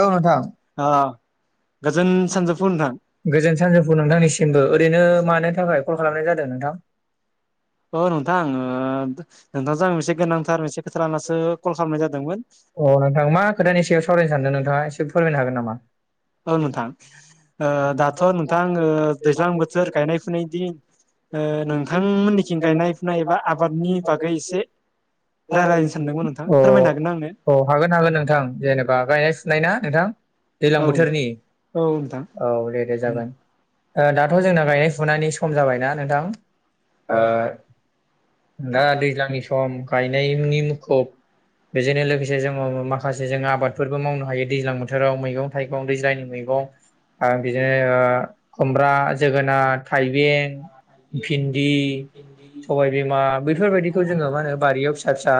औ नोंथां गोजोन सानजौफु नोंथांनिसिमबो ओरैनो मानो थाखाय कल खालामनाय जादों नोंथां ओ नोंथां ओ अ नोंथां मा खोथानि सायाव सावरायनो सानदों नोंथां? नोंथाङा एसे फोरमायनो हागोन नामा? औ नोंथां ओ दाथ' नोंथां दैज्लां बोथोर गायनाय फुनाय दिन नोंथांमोननिखं गायनाय फुनाय एबा आबादनि बागै एसे औ हागोन हागोन नोंथां जेनेबा गायनाय सिनायना नोंथां? दैलां बोथोरनि औ दे दे जागोन दाथ' जोंना गायनाय फुनायनि खम जाबायना नोंथां। ओ दा दैज्लांनि सम सम गायनायनि मुखुब बेजोंनो लोगोसे जों माख माखासे जोङो आबादफोरबो मावनो हायो दैज्लां बोथोराव मैगं थाइगं दैज्लांनि मैगं बिदिनो खुमब्रा जोगोनार थाइबें भिन्दि सबायबिमा बेैफोरबायदिखौ जोङो मा होनो बारियाव फिसा फिसा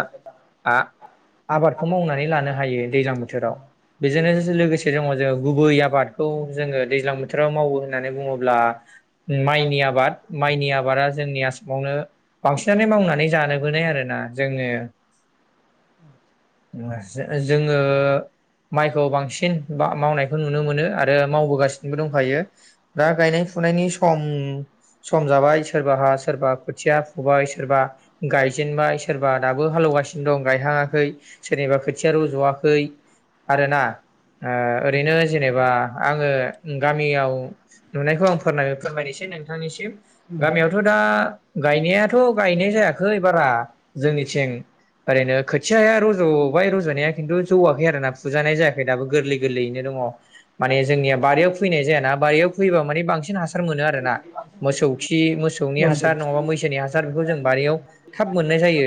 आबादखौ मावनानै लानो हायो दैज्लां बोथोराव बेजोंनो लोगोसे दङ जों गुबै आबादखौ जोङो दैज्लां बोथोराव मावो होननानै बुङोब्ला माइनि आबाद माइनि आबादा जोंनि आसामावनो बांसिनानो मावनानै जानो लानाय आरोना जोङो [inaudible] [unintelligible] जोङो माइखौ बांसिना मावनायखौ नुनो मोनो आरो मावबोगासिनोबो दंखायो। दा गायनाय फुनायनि सम सम जाबाय सोरबाहा सोरबा खोथिया फुबाय सोरबा गायजेनबाय सोरबा दाबो हालेवगासिनो दं गायखांआखै सोरनिबा खोथि ज'आाखै आरोना ओ ओरैनो जेनेबा आङो गामियाव नुनायखौ आं फोर फोरमायनोसै नोंथांनिसिम गामियावथ' दा गायनायाथ' गायनाय जायाखै बारा जोंनिथिं ओरैनो खोथियाया रज'बाय रज' फोनाया खिन्थु जौआखैआरोना फुजानाय जायाखै दाबो गोरलै गोरलैयैनो दङ माने जोंनिया बारियाव खुयैनाय जायाना बारियाव खुबैबा माने बांसिन हासार हासार मोनो आरोना मोसौ खि मोसौनि हासार नङाबा मैसोनि हासार बेखौ जों बारियाव थाब मोननाय जायो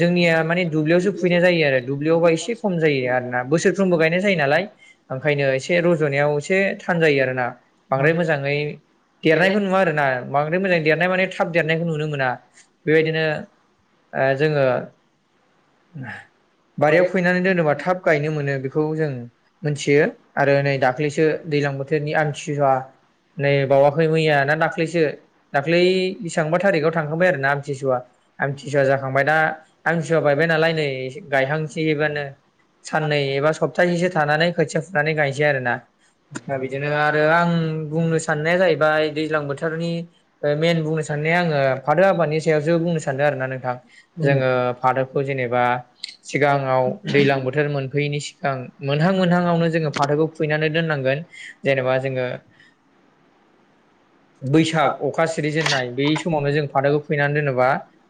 जोंनिया माने दुब्लियावसो खुबहैनाय जायो आरो दुब्लियावबा एसे खम जायो आरो ना बोसोरफ्रोमबो गायनाय जायो नालाय ओंखायनो एसे रज'नायाव एसे थान जायो आरो ना बांद्राय मोजाङै देरनायखौ नुवा आरो ना बांद्राय मोजां देरनाय माने थाब देरनायखौ नुनो मोना। बेबायदिनो ओ जोङो [inaudible] बारियाव खुयैनानै दोनोबा थाब गायनो मोनो बेखौ जों मोनथियो आरो नै दाख्लैसो दैलां बोथोरनि आमथिसुवा नै बावाखै मैया ना दाख्लैसो दाख्लै बेसेबांबा थारिखाव थांखांबाय आरो ना। आमथिसुवा आमथिसुवा जाखांबाय दा आमथिसुवा बायबाय नालाय नै गायहांसैबा साननैनि एबा सप्ताहसेनो थांनानै सोबनानै गायसायो आरो [unintelligible] नानो आरो आं बुंनो साननाया जाहैबाय बिद बोथनि म बुंनाया आङादों आरो जो बुंनो सानोदो आरो ना नोंथां जोङो फाथोखौ जेनेबा सिगाङाव दैज्लां बोथोर मोनफैयैनि सिगां मोनहां मोनहांआवनो जोङो फाथोखौ फुैनानै दोननांगोन जेनेबा जोङो बैसाग अखा सिरिजेननाय बै समावनो जों फाथोखौ थिनानै दोनोब्ला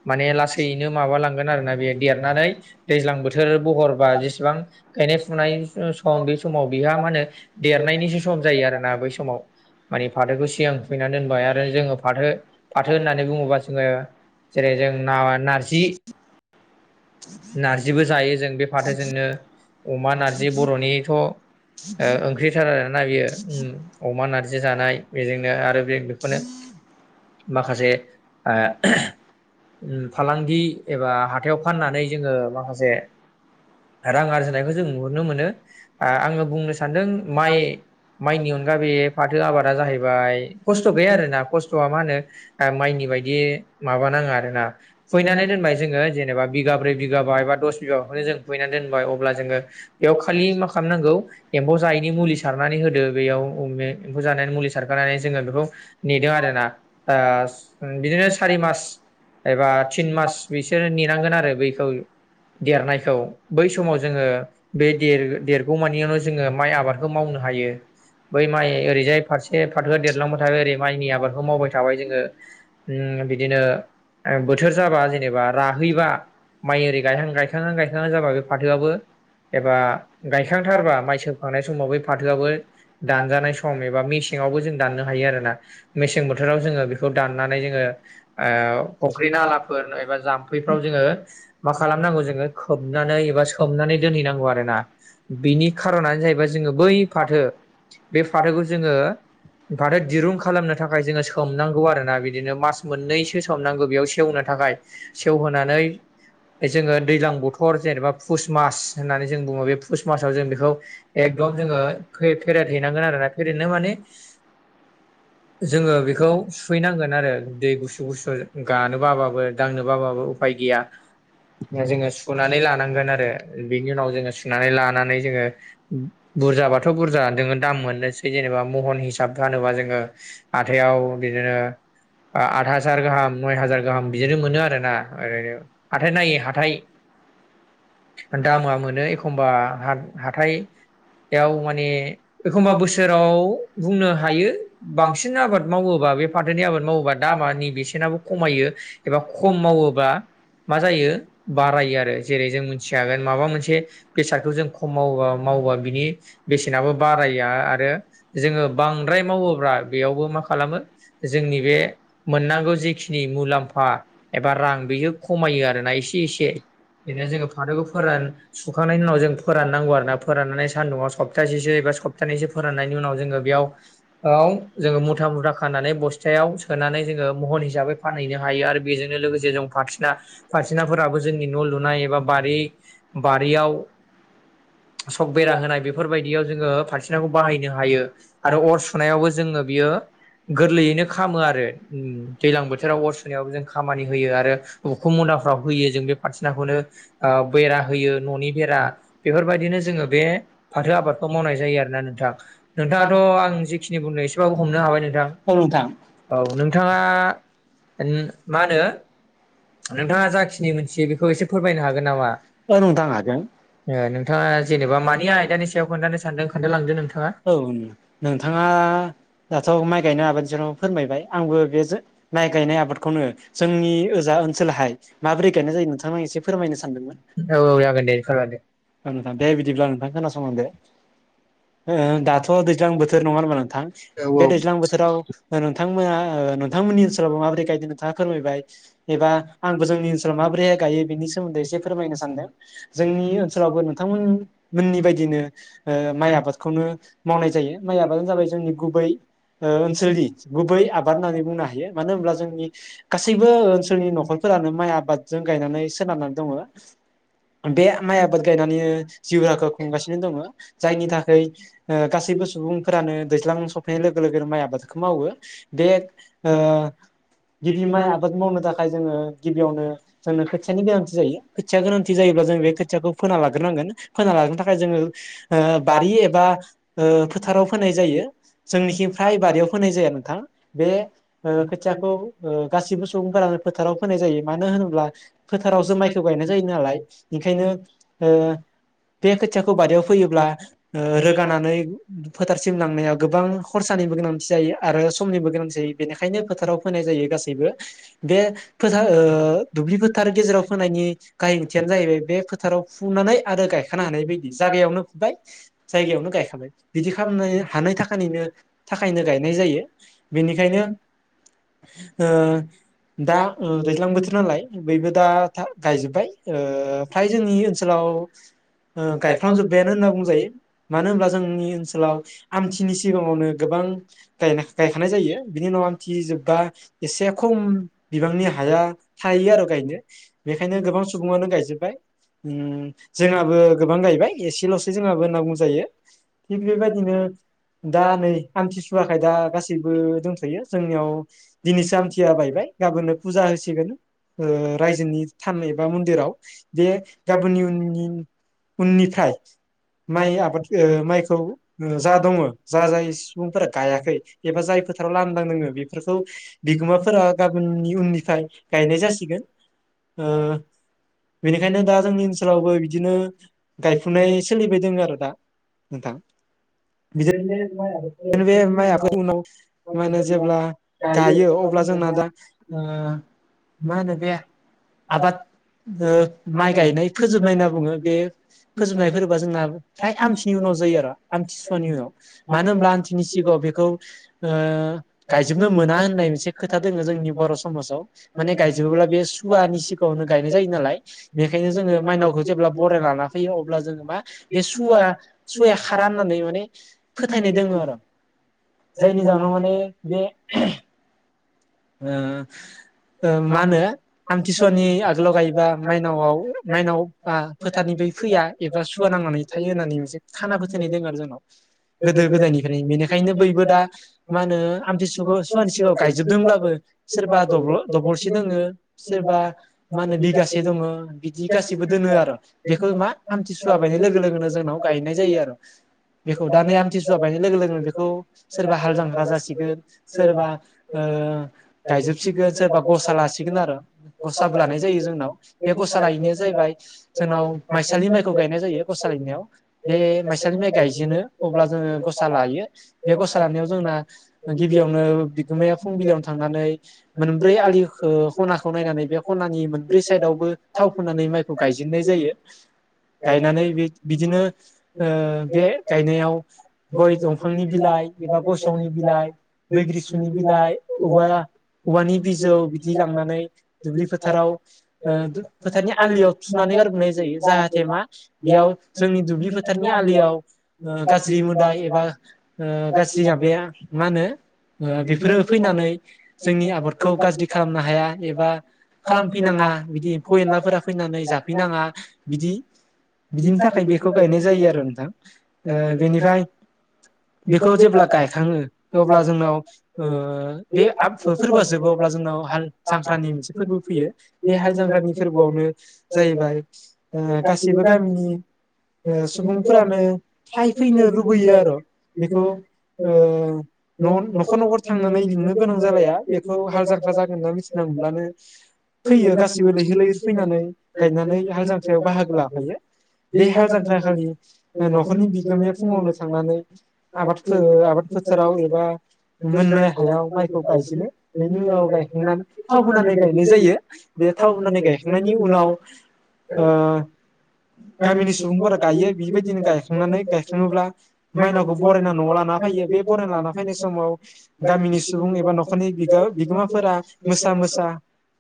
माने लासैयैनो मा‌बालांगोन आरो ना बेयो देरनानै दैज्लां बोथोर बहरबा जेसेबां गायनाइ फुनाय सो सम बे समाव‌ बेया मा होनो देरनायनि सो सम जायो आरोना बै समाव माने फाथोखौ सिगां फुयो। थिना दोनबाय आरो जोंओ फाथो फाथो होननानै बुङोबा जोङो जेरै जों ना नारजि नारजिबो जायो जों बे फाथोजोंनो अमा नारजि बर'निथ' ओंख्रिथार आरोना बियो ओम अमा नारजि जो जानाय बेजोंनो आरो बे बेखौनो माखासे आ फालांगि एबा हाथायाव फाननानै जोङो माखासे रां आरजिनायखौ जों नुहुरनो मोनो ।आङो बुंनो सानदों माइ माइनि अनगा बे फाथो आबादा जाहैबाय खस्थ गैया आरो ना खस्थआ मा होनो माइनि बायदि बे माबा नाङा आरो ना फुयैनानै दोनबाय जोङो जेनेबा बिगाब्रै बिगाबा एबा दस बिगाबाखौनो जों फुबैनानै दोनबाय अब्ला जोङो बेयाव खालि मा खालामनांगौ एम्फौ जायैनि मुलि सारनानै होदो बेयाव अमे एम्फौ जानायनि मुलि सारखानानै जोङो बेखौ नेदों आरोना आस बिदिनो सारि मास थिन मास बिसोरो नेनांगोन आरो बैखौ देरनायखौ बै समाव जोङो बे देरगौमानियावनो जोङो माइ आबादखौ मावनो हायो। बै माइ ओरैजाय फारसे फाथो देरलांबाय थाबाय ओरै माइनि आबादखौ मावबाय थाबाय जोङो। ओम बिदिनो बोथोर जाबा जेनेबा राहैबा माइ ओरै गायहां गायखांआं गायखांआं जाबा बे फाथोआबो एबा गायखांथारबा माइ सोबखांनाय समाव बे फाथोआबो दानजानाय सम एबा मेसेंआवबो जों दाननो हायो आरो ना मेसें बोथोराव जोङो बेखौ दान नानै जोङो ओ फुख्रि नालाफोर एबा जाम्फैफ्राव जोङो मा खालामनांगौ जोङो खोबनानै एबा सोमनानै दोनहैनांगौ आरो ना बिनि खारनानो जाहैबाय जोङो बै फाथो बे फाथोखौ जोङो फाथो दिरुं खालामनो थाखाय जोङो सोमनांगौ आरो ना बिदि बिदिनो मास मोननैसो सोम नांगौ बेयाव सेवनो थाखाय सेवहोनानै जोङो दैज्लां बोथर जेनेबा फुस मास होननानै जों बुङो बे फुस मासाव जों बेखौ एकदम जोङो खैफेरेद हैनांगोन आरोना फेरेदनो माने जोङो बेखौ सुहैनांगोन। दै गुसु गुसुजों गानो बाबाबो दांनो बाबाबो उफाय गैया जोङो सुनानै लानांगोन आरो बेनि उनाव जोङो सुनानै लानानै जोङो बुरजाबाथ' बुरजा नोंङो दाम मोननोसै जेनेबा महन हिसाब फानोबा जोङो हाथायाव बिदिनो आ आत हाजार गाहाम गाहाम बिदिनो मोनो आरोना ओरैनो हाथाइ नायै हाथाइ दामा मोनो एखनबा हाथायाव माने एखमबा बोसोराव बुंनो हायो बांसिन आबाद मावोबा बे फाथोनि आबाद। मावा दाम बेसेनाबो खमायो एबा खम मावोबा मा जायो बारायो आरो जेरै ज मोन मा मोन बेाद ज खा मावोबा बिनि बेसेनाबो बार आरो जोङो बांद्राय मावोब्ला बेयावबो मा खालामो जोंनि बे मोननांगौ जेखिनि मुलामफा एबा रां बेयो खमायो आरोना एसे एसे बेनो जोङो लोगोफोरा सुखांनायनि उनाव जों फोराननांगौ आरोना फोराननानै सानदुंआव सबथासेसो सबथानैसो फोराननायनि उनाव जोङो बेयाव जोङो मुथा मुथा खानानै बस । बसयाव सोनानै जोङो महन हिसाबै फानहैनो हायो आरो बेजोंनो लोगोसे जों फाथोसिरना फाथोसिरनाफोराबो जोंनि न' लुनाय एबा। बारियाव सक बेरा होनाय बेफोरबायदियाव जोङो फाथोसेरनाखो बाहायनो हायो आरो अर सुनायावबो जोङो बियो गोरलैयैनो खालामो आरो दैज्लां बोथोराव अर सुनायावबो जों खामानि होयो आरो उखोम मुदाफ्राव होयो जों बे फाथोसेरनाखौन। बेरा होयो न'नि बेरा बेफोरबायदिनो जोङो बे फाथो आबादखौ मावनाय जायो आरोना नोंथां नोंथाङाथ' आं जेखिनि बुंनो एसेबाबो हमनो हाबाय नोंथां। औ नोंथाङा ओ मा होनो नोंथाङा जाखिनि मोनथि बेखौ एसे फोरमायनो हागोन नामा मा ओ नोंथाङा जेनेबा मानिया आयदानि सायाव खोन्थानो सानदों खोन्था लांदों नों औ नोंथाङा दा'थ' माइ गायनो हागोन फोरमायबाय आंबो बे जो माइ गायनाय आबादखौनो जोंनि ओजा ओनसोलहाय माबोरै गायनाय जायो नोंथांङा एसे फोरमायनो सानदोंमोन ओ दे बिदिब्ला नोंथां खोनासंंलां दो दाथ' दैज्लां बोथोर नङा होनल्बा नोंथां बे दैज्लां बोथोराव नोंथांमोना नोंथांमोननि ओनसोलावबो माबोरै गायदों नोंथाङा फोरमायबाय एबा आंबो जोंनि ओनसोलाव माबोरैहाय गायो बेनि सोमोन्दै एसे फोरमायनो सानदों जोंनि ओनसोलावबो नोंथांमोन मोननि बायदिनो माइ आबाद। खौनो मावनाय जायो माइ आबादानो जाबाय जोंनि गुबै ओनसोलनि गुबै आबाद होननानै बुंनो हायो मानो होनब्ला जोंनि गासैबो ओनसोलनि न'खरफोरानो माइ आबादजों गायनानै सोनारनानै दङो बे माइ आबाद गायनानैनो जिउ राहाखौ खुंगासिनो दङो जायनि थाखै गासैबो सुबुंफोरानो दैज्लां सफैनाय लोगो लोगोनो माइ आबादखौ मावो बे ओ गिबि माइ आबादखौ मावनो थाखाय जोङो गिबियावनो जोंनो खोथियानि गोनांथि जायो खोथिया गोनांथि जायोब्ला जों बे खोथियाखौ फोना लाग्रोनांगोन नांगोन फोना लाग्रोनो थाखाय जोङो बारि। एबा फोथाराव फोनाय जायो जोंनिफ्राय बारियाव फोनाय जाया नोंथां बे खोथियाखौ गासैबो सुबुंफोरानो फोथाराव फोनाय जायो मानो होनोब्ला फोथारावसो माइखौ गायनाय जायो नालाय ओंखायनो ओ बे खोथियाखौ बारियाव फोयोब्ला। ओ रोगाना फोथारसिम लांनायाव गोबां खरसानिबो गोनांथि जायो आरो समनिबो गोनां जायो बेनिखायनो फोथाराव फोनाय जायो गासैबो बे फोथार ओ दुब्लि फोथार गेजेराव फोनायनि गाहाय ओंथियानो जाहैबाय बे फोथाराव फुनानै आरो गायखानो हानाय बायदि जायागायावनो फुबाय। जायगायावावनो गायखाबाय बिदि खालामनानै हानायनो थाखायनो गायनाय जायो बेनिखायनो ओ दा ओ दैज्लां बोथोर नालाय बयबो दा गायजोब्बाय ओ फ्राय जोंनि ओनसोलाव ओ गायफ्र्लामजोब्बायानो होनना बुंजायो मानो होनब्ला जों ओनसोलाव आमथिनि सिगाङावनो गोबां गायखानाय जायो बिनि उनाव आमथि जोबबा एसे खम बिबांनि हाया थायो आरो गायनो बेखायनो गोबां सुबङानो गायजोबबाय ओ जोंहाबो गोबां गायबाय एसेल'स जोंहाबो होनना बुं थिग बेबायदिनो दा नै आमथिसुवाखाय दा गासैबो दंथ'यो जोंनियाव दिनैसो आमथिया बायबाय गाबोननो फुजा होसिगोन ओ रायजोनि थान एबा मन्दिराव बे गाबोननि उननि उननिफ्राय माइ आब ओह माइ जा दङ जा जाय सुबुंफोरा गायाखै एबा जाय फोथाराव लांदां दोङो बेफोरखौ बिगोमाफोरा गाबोननि उननिफ्राय गायनाय जासिगोन। ओ बेनिखायनो दा जोंनि ओनसोलावबो बिदिनो गायफुनाय सोलिबाय दङ आरो दा। नोंथां बिज आरो बे माइ आबादनि उनाव मा होनो जेब्ला गायो अब्ला जोंना दा ओह मा होनो बे आबाद ओह माइ गायनाय फोजोबनाय होनना बुङो बे फोजोबनाय फोरबोआ जोंना फ्राय आमथिनि उनाव जोब होयो आरो आमथिसुवानि उनाव मानो होमब्ला बिनि सिगाङाव बेखौ ओ गायजोबनो मोना होननाय मोनसे खोथा दोङो जोंनि बर' समाजाव। माने गायजोबोब्ला बे सुवानि सिगाङावनो गायनाय जायो नालाय। बेखायनो जोङो मायनावखौ जेब्ला बरायना लाना फैयो अब्ला जोङो मा बे सुवा सुवाया खारा होननानै माने फोथायनाय दोङो आरो। जायनि जाहोनाव माने बे ओ ओ मा होनो आमथिसुवानि आगोलाव गायोबा माइनावाव माइनावआ फोथारनिफ्राय फैया एबा सुवा नांनानै थायो होननानै मोनसे खाना फोथायनाय दङ आरो जोंनाव गोदो गोदायनिफ्रायनो बेनिखायनो बोयबो दा मा होनो आमथिसुवाखौ सुवानि सिगाङाव गायजोबदोंब्लाबो ओ सोरबा दबल' दबलसे दोङो सोरबा मा होनो बिगासे दङो बिदि गासिबो दोनो आरो बेखौ मा आमथिसुवा बायनाय लोगो लोगोनो जोंनाव गायनाय जायो आरो। बेखौ दा नै आमथिसुवा बायनाय लोगो लोगोनो बेखौ सोरबा हाल जांख्रा जासिगोन सोरबा ओ गायजोबसिगोन। सोरबा गसा लासिगोन आरो गसाबो लानाय जायो जोंनाव बे गसा लायनाया जाहैबाय जोंनाव माइसालि माइखौ गायनाय जायो गसा लायनायाव। बे माइसालि माइ गायजेनो अब्ला जोङो गसा लायो। बे गसा लानायाव जोंना गिबियावनो बिगोमाया फुंबिलियावनो फ्राय मोनब्रै आलिखो खनाखौ नायनानै बे खनानि मोनब्रै साइदावबो थाव फोनानै माइखौ गायजेननाय जायो गायनानै बेद-बिदिनो ओ बे गायनायाव गय दंफांनि बिलाइ एबा गइसावनि बिलाइ, बैग्रिसुनि बिलाइ हुगारा। औवानि बिजौ बिदि लांनानै दुब्लि फोथाराव ओ दो फोथारनि आलियाव थुनानै गारबोनाय जायो। जाहाथे मा बेयाव जोंनि दुब्लि फोथारनि आलियाव ओ गाज्रि मोदाइ एबा ओ गाज्रि माबाया मा होनो ओ बेफोरो फैनानै जोंनि आबादखौ गाज्रि खालामनो हाया एबा खालामफैनाङा बिदि एम्फौ एनलाफोरा फैनानै जाफैनाङा बिदि बिदिनि थाखाय बेखौ गायनाय जायो आरो नोंथां। बेनिफ्राय बेखौ जेब्ला गायखाङो अब्ला जोंनाव ओ ओ बे आखु फोरबोआ जोबो अब्ला जोंनाव हाल जांख्रानि मोनसे फोरबो फैयो। बे हाल जांख्रानि फोरबोआवनो जाहैबाय ओ गासैबो गामिनि ओ सुबुंफोरानो फाइ फैनो लुबैयो आरो। बेखौ ओ न'-न'खर न'खर थांनानै लिंनो गोनां जालाया। बेखौ हाल जांख्रा जागोन होनना मिथिना मोनब्लानो फैयो। गासिबो लैहोर लैहोर फैनानै गायनानै हाल जांख्रायाव बाहागो लाफैयो बे हाल जांख्रा खालि ओ ओ न'खरनि बिगोमाया फुङावनो थांनानै आबाद फो-आबाद फोथाराव एबा मोननाय हायाव माइखौ गायजेनो। बेनि उनाव गायखांनानै थाव होनानै गायनाय जायो बे थाव होनानै गायखांनायनि उनाव गामिनि सुबुंफोरा गायो। बेबायदिनो गायखांनानै गायखाङोब्ला मायनावखौ बरायना न'आव लाना फैयो बे बरायना लाना फैनाय समाव गामिनि सुबुं एबा न'खरनि खो बिगोमाफोरा मोसा मोसा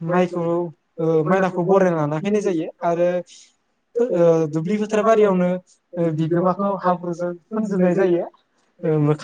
माइनाखौ बरायना लानानै फैनाय जायो आरो दुब्लि फोथार बारियावनो बिगोमाखौ हाब्रुजों फुनजोबनाय जायो।